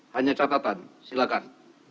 hanya catatan silakan